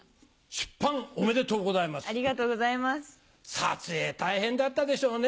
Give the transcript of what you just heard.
撮影大変だったでしょうね。